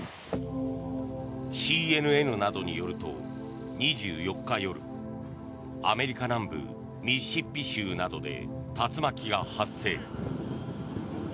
ＣＮＮなどによると２４日夜アメリカ南部ミシシッピ州などで竜巻が発生。